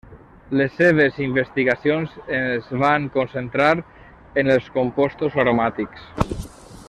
Les seves investigacions es van concentrar en els compostos aromàtics.